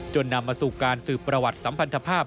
นำมาสู่การสืบประวัติสัมพันธภาพ